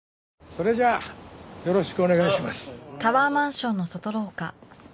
それじゃあよろしくお願いします。